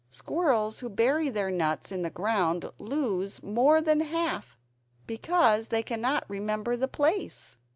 Squirrels who bury their nuts in the ground lose more than half, because they cannot remember the place.